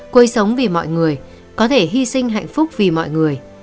cô ấy sống vì mọi người có thể hy sinh hạnh phúc vì mọi người